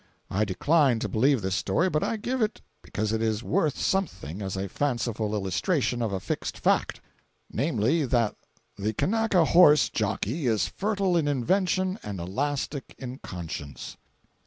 I decline to believe this story, but I give it because it is worth something as a fanciful illustration of a fixed fact—namely, that the Kanaka horse jockey is fertile in invention and elastic in conscience.